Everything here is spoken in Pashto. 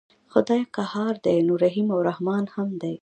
خدای که قهار دی نو رحیم او رحمن هم دی.